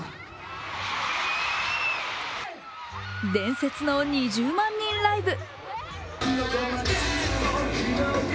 伝説の２０万人ライブ。